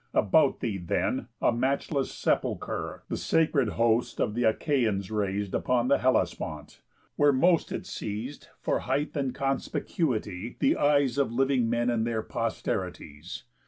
About thee then a matchless sepulchre The sacred host of the Achaians rais'd Upon the Hellespont, where most it seiz'd, For height and conspicuity, the eyes Of living men and their posterities.